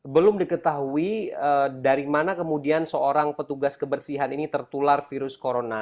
belum diketahui dari mana kemudian seorang petugas kebersihan ini tertular virus corona